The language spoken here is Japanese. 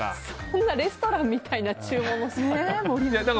そんなレストランみたいな注文の仕方。